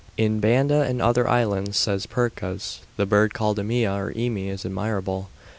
'In Banda and other islands,' says Purchas, 'the bird called emia or eme is admirable.'